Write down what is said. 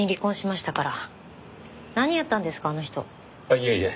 いえいえ。